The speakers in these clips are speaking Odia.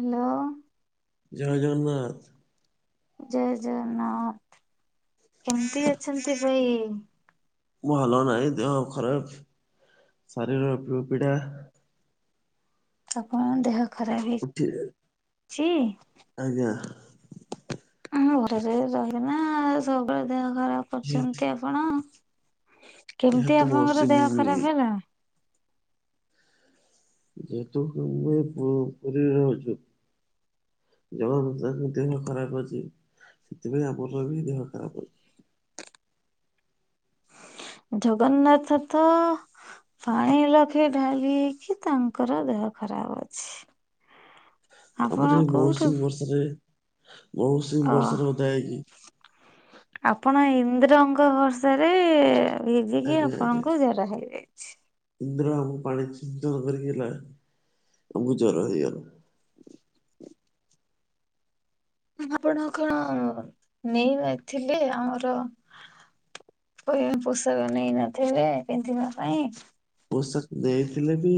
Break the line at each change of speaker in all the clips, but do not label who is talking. ହାଲୋ।
ଜୟ ଜଗନ୍ନାଥ।
ଜୟ ଜଗନ୍ନାଥ କେମିତି ଅଛନ୍ତି ବାଇ।
ମୁଁ ଭଲ ନାହିଁ ଦେହ ଖରାପ ଶାରୀରିର ପୁ ପିଡା।
ଆପଣ ଦେହ ଖରାପ
ଉଠି
ହେଇଚି।
ଆଜ୍ଞା।
ଆମ ଘରେ ରହିକିନା ସବୁବେଳେ ଦେହ ଖରାପ
ଯେହେ-
କରିୁଛନ୍ତି ଆଉ। ଆପଣ କେମିତି
ଯେହେତୁ ମୋ ସେ
ଆପଣଙ୍କର ଦେହ ଖରାପ ହେଲା।
ଯେହେତୁ [unintelligible] ପୁରୀ ରେ ରହୁଚି। ଜଗନ୍ନାଥଙ୍କ ଦେହ ଖରାପ ଅଛି, ସେଥିପାଇଁ ଆମର ବି ଦେହ ଖରାପ ଅଛି।
ଜଗନ୍ନାଥ ତ ପାଣି ଲଖେ ଢାଳିହେଇକି ତାଙ୍କର ଦେହ ଖରାପ ଅଛି। ଆପଣ
ତାପରେ
କୋଉଠୁ
ମଉସୁମୀ ବର୍ଷାରେ ମଉସୁମୀ
ଅ
ବର୍ଷାରେ ଓଦା ହେଇଚି।
ଆପଣ ଇନ୍ଦ୍ରଙ୍କ ଭର୍ଷାରେରେ ଭିଜିକି
ଆଜ୍ଞା ଆଜ୍ଞା
ଆପଣଙ୍କୁ ଜର ହେଇଯାଇଚି।
ଇନ୍ଦ୍ର ଆମକୁ ପାଣି ଛିଞ୍ଚନ କରିକି ହେଲା ଆମକୁ ଜର ହେଇଗଲା।
ଆପଣ କଣ ନେଇ ଯାଇଥିଲେ ଆମର [unintelligible] ପୋଷାକ ନେଇ ନଥିବେ ପିନ୍ଧିବା ପାଇଁ।
ପୋଷାକ ନେଇଥିଲେବି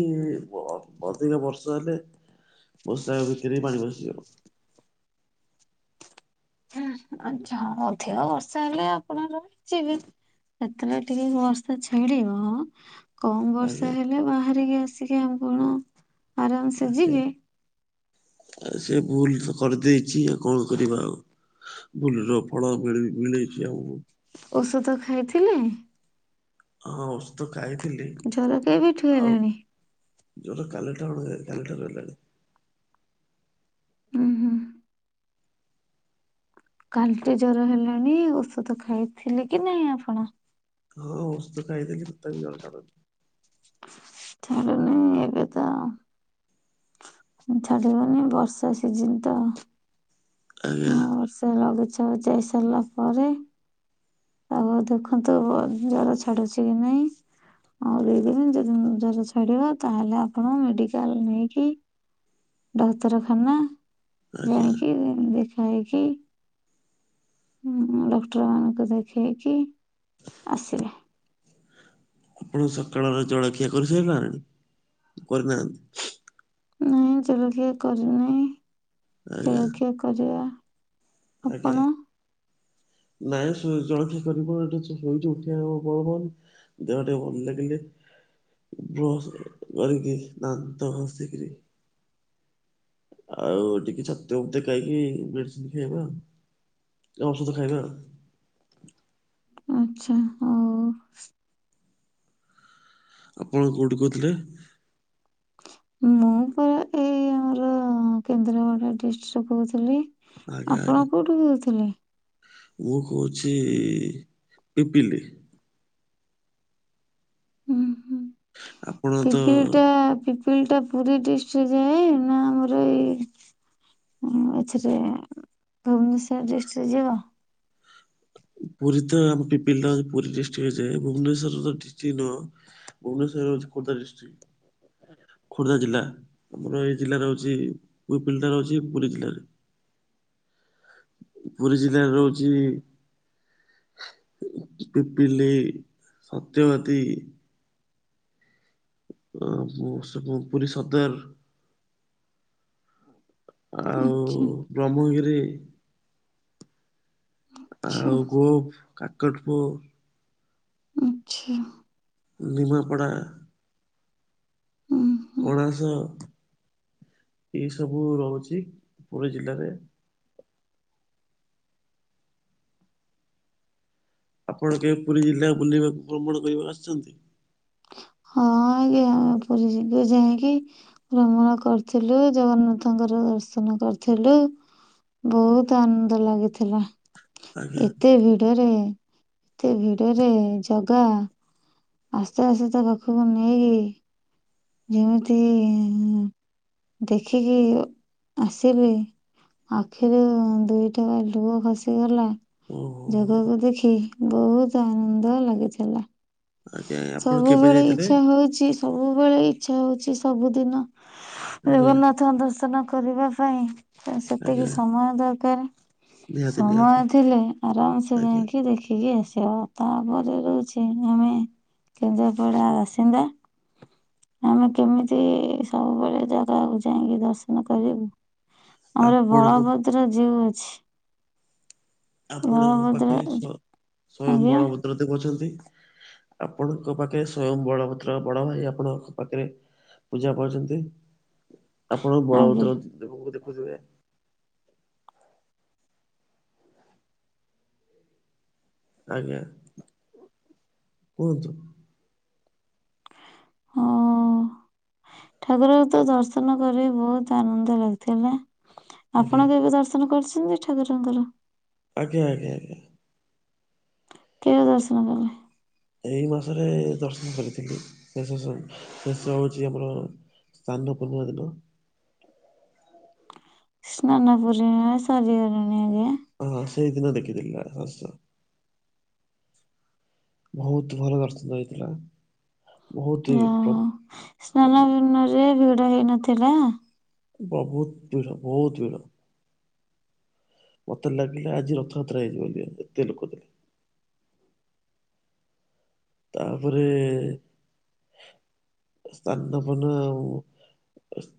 ଅଧିକ ବର୍ଷା ହେଲେ ବର୍ଷା ହେବା ଭିତରେ ପାଣି ପସିଯିବ।
ହୁଁ ଆଛା ହଁ ଅଧିକ ବର୍ଷା ହେଲେ ଆପଣ ଯିବେ। ଯେତେବେଳେ ଟିକେ ବର୍ଷା ଛିଡିବ। କମ ବର୍ଷା
ଆଜ୍ଞା
ହେଲେ ବାହାରିକି ଆସିକି ଆଉ କଣ ଆରାମ ସେ ଯିବେ।
ଆଉ ସେ ଭୁଲ ତ କରିଦେଇଚି ଆଉ କଣ କରିବା ଆଉ। ଭୁଲର ଫଳ ମିଳି ମିଳିଚି ଆମକୁ।
ଔଷଧ ଖାଇଥିଲେ।
ହଁ ଔଷଧ ଖାଇଥିଲି।
ଜର କେବେଠୁ
ଆଉ
ହେଲାଣି?
ଜର କାଲିଠାରୁ ହେଲା କାଲିଠାରୁ ହେଲାଣି।
ହୁଁ ହୁଁ କାଲିଠୁ ଜର ହେଲାଣି ଔଷଧ ଖାଇଥିଲେ କି ନାଇଁ ଆପଣ?
ହଁ ଔଷଧ ଖାଇଥିଲି ତଥାପି ଜର ଛାଡ଼ୁନି।
ଛାଡୁନି ଏବେତ ଛାଡିବନି ବର୍ଷା ସିଜିନ ତ।
ଆଜ୍ଞା।
ବର୍ଷା ଲଘୁଚାପ ଯାଇ ସାରିଲା ପରେ। ଆପଣ ଦେଖନ୍ତୁ ଜର ଛାଡୁଛି କି ନାଇଁ। ଆଉ ଦୁଇଦିନ ଯଦି ଜର ଛାଡ଼ିବ ତାହେଲେ ଆପଣ ମେଡିକାଲ ନେଇକି ଡାକ୍ତରଖାନା
ଆଜ୍ଞା
ଯାଇକି ଦେଖାହେଇକି ଉଁ ଡକ୍ଟର ମାନଙ୍କୁ ଦେଖେଇକି ଆସିବେ।
ଆପଣ ସକାଳର ଜଳଖିଆ କରିସାଇଲଣି କରିନାହାନ୍ତି।
ନାଇଁ ଜଳଖିଆ କରିନାହିଁ
ଆଜ୍ଞା
ଜଳଖିଆ କରିବା। ଆପଣ
ଆଜ୍ଞା। ନାଇଁ ସୋଇଛି ଜଳଖିଆ କରିବି କଣ ଏଠି କିଛି ହୋଉଚି ଉଠିବାକୁ ବଳ ପାଉନି। ଦେହ ଟିକେ ଭଲ ଲାଗିଲେ ବ୍ରସ କରିକି ଦାନ୍ତ ଘସୀକିରି ଆଉ ଟିକେ ଛତୁଆ ଫତୁଆ ଖାଇକି ମେଡିସିନ ଖାଇବା ଆଉ। ଔଷଧ ଖାଇବା।
ଆଛା ହୋଉ।
ଆପଣ କଉଁଠୁ କହୁଥିଲେ?
ମୁଁ ପରା ଏଇ ଆମର କେନ୍ଦ୍ରାପଡ଼ା ଡିଷ୍ଟ୍ରିକ୍ଟରୁ କହୁଥିଲି।
ଆଜ୍ଞା
ଆପଣ
ଆଜ୍ଞା।
କେଉଁଠୁ କହୁଥିଲେ
ମୁଁ କହୁଛି ପିପିଲି।
ହୁଁ ହୁଁ
ଆପଣ ତ
ପିପିଲ ଟା ପି ଫିଲ୍ ଟା ପୁରୀ ଡିଷ୍ଟ୍ରିକରେ ଯାଏ ନା ଆମର ଏଇ ହଁ ଏଥିରେ ଭୁବନେଶ୍ଵର ଡିଷ୍ଟ୍ରିକ୍ଟ ଯିବ।
ପୁରୀ ତ ଆମ ପିପିଲୀ ର ପୁରୀ ଡିଷ୍ଟ୍ରିକ୍ଟ ଯାଏଁ ଭୁବନେଶ୍ୱର ତ ଡିଷ୍ଟ୍ରିକ୍ଟ ନୁହଁ। ଭୁବନେଶ୍ୱର ହଉଛି ଖୋର୍ଦ୍ଧା ଡିସଟ୍ରିକ। ଖୋର୍ଦ୍ଧା ଜିଲ୍ଲା ଆମର ଏ ଜିଲ୍ଲାରେ ହଉଛି ପିପିଲି ଟା ହଉଛି ପୁରୀ ଜିଲ୍ଲାରେ ପୁରୀ ଜିଲ୍ଲାରେ ରହୁଛି ପିପିଲି ସତ୍ୟବାଦୀ। ଆ ମୁଁ ପୁରୀ ସଦର। ଆଉ
ଆଚ୍ଛା
ବ୍ରହ୍ମଗିରି। ଆ
ଆଚ୍ଛା
ଆଉ ଗୋପ କାକଟପୁର।
ଆଛା।
ନିମାପଡ଼ା।
ହୁଁ।
କଣାସ ଏ ସବୁ ରହୁଛି ପୁରୀ ଜିଲ୍ଲାରେ ଆପଣ କେବେ ପୁରୀ ଜିଲ୍ଲା ବୁଲିବାକୁ ଭ୍ରମଣ କରିବାକୁ ଆସିଛନ୍ତି?
ହଁ ଆଜ୍ଞା ପୁରୀ ଜି ଯାଇକି ଭ୍ରମଣ କରିଥିଲୁ ଜଗନ୍ନାଥଙ୍କର ଦର୍ଶନ କରିଥିଲୁ। ବହୁତ ଆନନ୍ଦ ଲାଗିଥିଲା
ଆଜ୍ଞା
ଏତେ ଭିଡରେ ଏତେ ଭିଡରେ ଜଗା ଆସ୍ତେ ଆସ୍ତେ ତ ପା ପାଖକୁ ନେଇକି ଯେମିତି ଦେଖିକି ଆସିଲି। ଆଖିରୁ ଦୁଇଟୋପା ଲୁହ ଖସିଗଲା।
ଓହୋ
ଜଗାକୁ ଦେଖି ବହୁତ ଆନନ୍ଦ ଲାଗିଥିଲା।
ଆଜ୍ଞା ଆପଣ କେବେ
ସବୁବେଳେ
ଯାଇଥିଲେ?
ଇଚ୍ଛା ହଉଛି ସବୁବେଳେ ଇଚ୍ଛା ହଉଛି ସବୁଦିନ
ଆଜ୍ଞା
ଜଗନ୍ନାଥ ଦର୍ଶନ କରିବା ପାଇଁ। ତ ସେତିକି
ଆଜ୍ଞା
ସମୟ ଦରକାର।
ନିହାତି ନିହାତି
ସମୟ ଥିଲେ ଆରାମସ
ଆଜ୍ଞା
ଯାଇକି ଦେଖିକି ଆସିବା। ତାପରେ ରହୁଛି ଆମେ କେନ୍ଦ୍ରାପଡା ବାସିନ୍ଦା। ଆମେ କେମିତି ସବୁବେଳେ ଜାଗାକୁ ଯାଇକି ଦର୍ଶନ କରିବୁ। ଆମର
ଆପଣଙ୍କ
ବଳଭଦ୍ର ଜିଉ ଅଛି।
ଆପଣଙ୍କ
ବଳଭଦ୍ର
ପାଖେ ସ୍ଵୟଂ
ଆଜ୍ଞା।
ବଳଭଦ୍ର ଦେବ ଅଛନ୍ତି। ଆପଣଙ୍କ ପାଖରେ ସ୍ଵୟଂ ବଳଭଦ୍ର ବଡ ଭାଇ ଆପଣଙ୍କ ପାଖରେ ପୂଜା ପାଛନ୍ତି ଆପଣ
ଆଜ୍ଞା
ବଳଭଦ୍ର ଦେ ଦେଖୁଥିବେ। ଆଜ୍ଞା କୁହନ୍ତୁ।
ହଁ। ଠାକୁରଙ୍କୁ ତ ଦର୍ଶନ କରି ବହୁତ ଆନନ୍ଦ ଲାଗିଥିଲା।
ଆଜ୍ଞା
ଆପଣ କେବେ ଦର୍ଶନ କରିଛନ୍ତି ଠାକୁରଙ୍କର?
ଆଜ୍ଞା ଆଜ୍ଞା ଆଜ୍ଞା।
କେବେ ଦର୍ଶନ କଲେ?
ଏଇ ମାସରେ ଦର୍ଶନ କରିଥିଲି ଶେଷ ଶେଷ ହଉଛି ଆମର ସ୍ଥାନ ପୂର୍ବଦିନ।
ସ୍ନାନ ପୁରିମା ସରିଗଣି ଆଜ୍ଞା।
ହଁ ସେଇଦିନ ଦେଖିଥିଲା ତାଙ୍କ ଦର୍ଶନ। ବହୁତ ଭଲ ଦର୍ଶନ ହେଇଥିଲା ବହୁତ
ଯାହା
ପ
ହଉ ସ୍ନାନ ପୂର୍ଣ୍ଣିମାରେ ଭିଡ଼ ହେଇନଥିଲା।
ବୋହୁତ ଭିଡ ବୋହୁତ ଭିଡ। ମତେ ଲାଗିଲେ ଆଜି ରଥଯାତ୍ରା ହେଇଯିବ ବୋଲି ଏତେ ଲୋକ ଥିଲେ। ତାପରେ ସ୍ନାନପୂର୍ଣ୍ଣିମା ଆଉ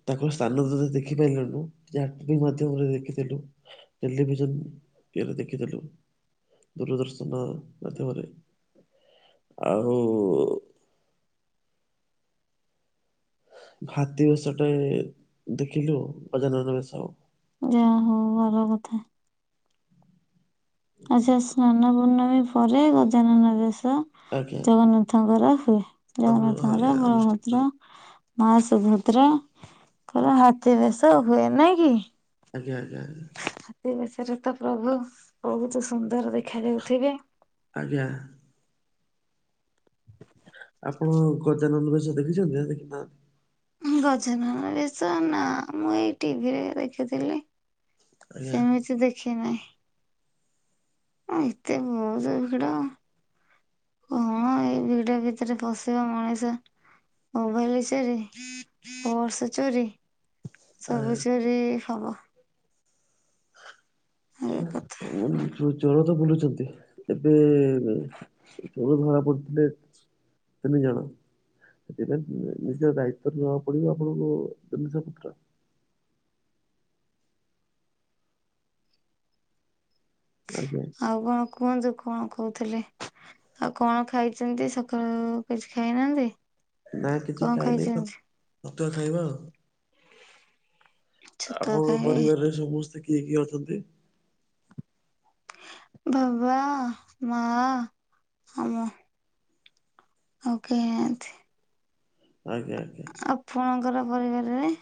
ତାଙ୍କର ସ୍ଥାନ [unintelligible] ଦେଖିପାରିଲୁନୁ [unintelligible] ମାଧ୍ୟମରେ ଦେଖିଦେଲୁ। ଟେଲିଭିଜନ ଇଏରେ ଦେଖିଦେଲୁ ଦୂରଦର୍ଶନ ମାଧ୍ୟମରେ। ଆଉ ଭାତି ବେଶଟେ ଦେଖିଲୁ ଗଜାନନ ବେଶ ଆଉ
ଯା ହୋଉ ଭଲ କଥା। ଆଚ୍ଛା ସ୍ନାନ ପୂର୍ଣ୍ଣମୀ ପରେ ଗଜାନନ ବେଶ।
ଆଜ୍ଞା
ଜଗନ୍ନାଥଙ୍କର ହୁଏ
ଅନୁ ହଁ ଆଜ୍ଞା
ଜଗନ୍ନାଥଙ୍କର
ଅନୁଷ୍ଠାନ
ବଳଭଦ୍ର ମା ସୁଭଦ୍ରା ଙ୍କର ହାତୀ ବେଶ ହୁଏ ନାଇଁ କି।
ଆଜ୍ଞା ଆଜ୍ଞା ଆଜ୍ଞା।
ହାତୀ ବେଶରେ ତ ପ୍ରଭୁ ବୋହୁତୁ ସୁନ୍ଦର ଦେଖାଯାଉଥିବେ।
ଆଜ୍ଞା। ଆପଣ ଗଜାନନ ବେଶ ଦେଖିଛନ୍ତି ନା ଦେଖିନାହାନ୍ତି।
ଗଜାନନ ବେଶ ନା ମୁଁ ଏଇ ଟିଭିରେ ଦେଖିଥିଲି।
ଆଜ୍ଞା
ସେମିତି ଦେଖିନାହିଁ। ଅଁ ଏତେ ବୋହୁତୁ ଭିଡ଼। କଣ ଏଇ ଭିଡି ଭିତରେ ପଶିବ ମଣିଷ। ମୋବାଇଲି ଚୋରି ପର୍ସ ଚୋରି
ଆ
ସବୁ ଚୋରି ହବ। ଏ କଥା
[unintelligible] ଚୋରୋ ତ ବୁଲୁଛନ୍ତି ଏବେ କେତେ ଜଣ ଧରା ପଡିଥିଲେ। ତିନି ଜଣ। ସେଥିପାଇଁ ନିଜ ଦାୟିତ୍ୱରେ ନବାକୁ ପଡିବ ଆପଣଙ୍କୁ ଜିନିଷ ପତ୍ର। ଆଜ୍ଞା।
ଆଉ କଣ କୁହନ୍ତୁ କଣ କୋହୁଥୁଲେ। ଆଉ କଣ ଖାଇଚନ୍ତି ସଖାଳୁ କିଛି ଖାଇନାହାନ୍ତି।
ନା କିଛି
କଣ
ଖାଇନେଇ ତ
ଖାଇଛନ୍ତି?
ଛତୁଆ ଖାଇବା ଆଉ।
ଛତୁଆ
ଆପଣଙ୍କ
ଖାଇବେ
ପରିବାରରେ ସମସ୍ତେ କିଏ କିଏ ଅଛନ୍ତି।
ଭାବା ମା ଆଉ ମୁଁ ଆଉ କେହିନାହାନ୍ତି।
ଆଜ୍ଞା ଆ
ଆପଣଙ୍କର ପରିବାରରେ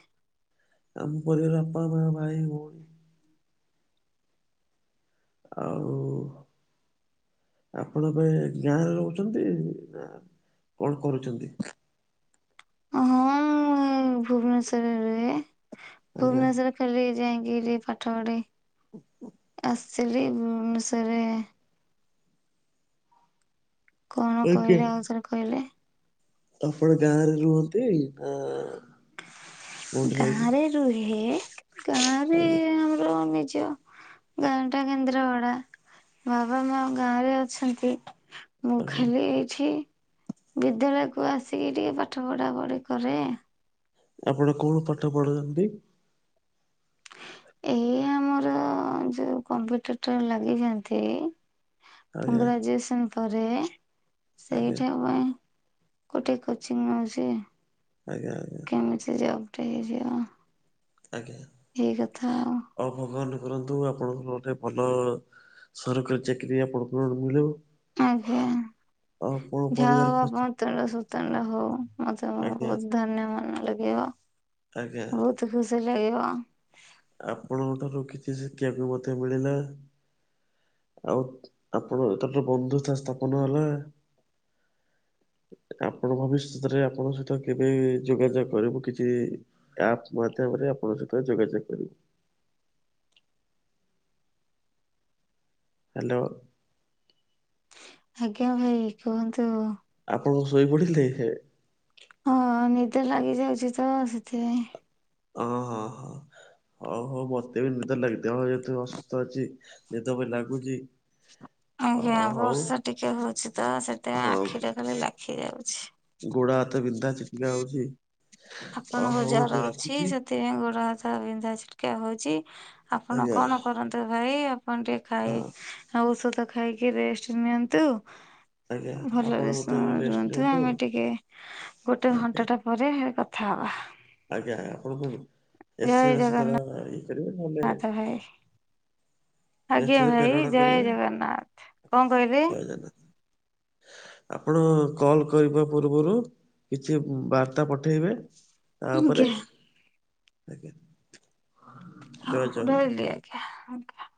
ଆମ ପରିବାରରେ ବାପା ମା ଭାଇ ଭୋଉଣୀ। ଆଉ- ଆପଣ ଏବେ ଗାଁରେ ରୋହୁଚନ୍ତି ନା କଣ କରୁଛନ୍ତି।
ହଁ ମୁଁ ଏ ଭୁବନେଶ୍ଵରରେ ରୁହେ
ଆଜ୍ଞା
ଭୁବନେଶ୍ଵରରେ ଖାଲି ଯାଇକିରି ପାଠ ପଢି ଆସିଲି ଭୁବନେଶ୍ଵରରେ କଣ
ଆଜ୍ଞା
କହିଲେ ଆଉ ଥରେ କହିଲେ।
ଆପଣ ଗାଁରେ ରୁହନ୍ତି ନା କୋଉଠି ରହିକି
ଗାଁରେ ରୁହେ ଗାଁରେ
ଆଜ୍ଞା
ଆମର ନିଜ ଗାଁଟା କେନ୍ଦ୍ରପଡା ବାବା ମା ଗାଁରେ ଅଛନ୍ତି। ମୁଁ
ଆଜ୍ଞା
ଖାଲି ଏଇଠି ବିଦ୍ୟାଳୟକୁ ଆସିକି ଟିକେ ପାଠ ପଢାପଢି କରେ।
ଆପଣ କଣ ପାଠ ପଢୁଛନ୍ତି।
ଏଇ ଆମର ଯୋଉ କମ୍ପ୍ୟୁଟର ଟା ଲାଗିଚନ୍ତି। ଫୁଁ
ଆଜ୍ଞା
ଗ୍ରାଯୁଏସନ୍ ପରେ
ଆଜ୍ଞା
ସେଇଠି ହବା ପାଇଁ ଗୋଟେ କୋଚିଙ୍ଗି ନୋଉଚି।
ଆଜ୍ଞା ଆଜ୍ଞା।
କେମିତି ଜବ୍ ଟେ ହେଇଯିବ।
ଆଜ୍ଞା
ଏଇ କଥା ଆଉ
ହଉ ଭଗବାନ କରନ୍ତୁ ଆପଣଙ୍କର ଗୋଟେ ଭଲ ସରକାରୀ ଚାକିରି ଆପଣଙ୍କୁ ବି ମିଳୁ
ଆଜ୍ଞା
ଆଉ ଆପଣ
ଯାହା
ପରିବାର
ହଉ
ଖୁସି
ଆପନ୍ ତୁଣ୍ଡ ସୁତଣ୍ଡ ହଉ ମତେ [unintelligible]
ଆଜ୍ଞା
ବହୁତ ଧନ୍ୟ ମନେ ଲାଗିବ
ଆଜ୍ଞା
ବହୁତ ତ ଖୁସି ଲାଗିବ
ଆପଣଙ୍କ ଠାରୁ କିଛି ଶିଖିବାକୁ ମତେ ମିଳିଲା ଆଉ ଆପଣ ତ ଠି ବନ୍ଧୁତା ସ୍ଥାପନ ହେଲା
[inaudible]
ଆପଣ ଭବିଷ୍ୟତରେ ଆପଣଙ୍କ ସହିତ କେବେ ଯୋଗାଯୋଗ କରିବୁ କିଛି ଏ ଆପ ମାଧ୍ୟମରେ ଆପଣ ସହିତ ଯୋଗାଯୋଗ କରିବୁ। ହ୍ୟାଲୋ
ଆଜ୍ଞା ଭାଇ କୁହନ୍ତୁ।
ଆପଣ ଶୋଇପଡ଼ିଥିଲେ ହେ ହେ
ହଁ ନିଦ ଲାଗି ଯାଉଛି ତ ସେଥିପାଇଁ।
ଓ ହ ହ ହଉ ହଉ ମତେ ବି ନିଦ ଲାଗୁଛି ଯେହେତୁ ଅସୁସ୍ଥ ଅଛି ନିଦ ବି ଲାଗୁଛି ଅ
ଆଜ୍ଞା
ହଉ
ବର୍ଷା ଟିକେ ହଉଛି ତ ସେଥିପାଇଁ
ହଁ
ଆଖି ଟା ଖାଲି ଲାଖି ଯାଉଛି।
ଗୋଡ ହାତ ବିନ୍ଧା ଛିଟିକା ହଉଛି ଅ
ଆପଣଙ୍କୁ
ହଉ
ଜର
ଏବେ
ଅଛି ସେ
ରଖୁଛି।
ସେଥିପାଇଁ ଗୋଡ ହାତ ବିନ୍ଧା ଛିଟା ହଉଛି ଆପଣ
ଆଜ୍ଞା
କଣ କରନ୍ତୁ ଭାଇ ଆପଣ ଟିକେ ଖାଇ
ହଁ
ଔଷଧ ଖାଇକି ରେଷ୍ଟ ନିଅନ୍ତୁ।
ଆଜ୍ଞା ଆପଣ
ଭଲରେ
ମତେ
ଶୁଅ
ରେଷ୍ଟ
ରୁହନ୍ତୁ
ନିଅନ୍ତୁ
ଆମେ ଟିକେ ଗୋଟେ
ଆଜ୍ଞା।
ଘଣ୍ଟା ଟା ପରେ କଥା ହବା।
ଆଜ୍ଞା ଆପଣ [unintelligible] ଦ୍ଵାରା ହେଇପାରିବ ନହେଲେ
ବାୟେ।
ନିଶ୍ଚିତ ପ୍ରେରଣା
ଜୟ
କରିବେ
ଜଗନ୍ନାଥ। କଣ କହିଲେ
ଜୟ ଜଗନ୍ନାଥ। ଆପଣ କଲ୍ କରିବା ପୂର୍ବରୁ କିଛି ବାର୍ତ୍ତା ପଠେଇବେ ତା ପରେ
ଆଜ୍ଞା
ଆଜ୍ଞା
ହଁ
ଜୟ ଜଗନ୍ନାଥ।
ରହିଲି ଆଜ୍ଞା